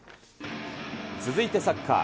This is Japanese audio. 続いてサッカー。